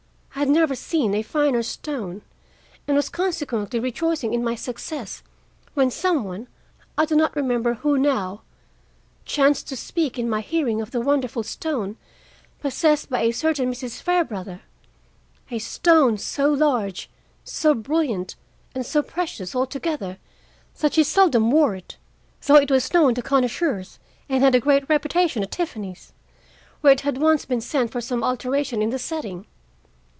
I had never seen a finer stone, and was consequently rejoicing in my success, when some one, I do not remember who now, chanced to speak in my hearing of the wonderful stone possessed by a certain Mrs. Fairbrother—a stone so large, so brilliant and so precious altogether that she seldom wore it, though it was known to connoisseurs and had a great reputation at Tiffany's, where it had once been sent for some alteration in the setting.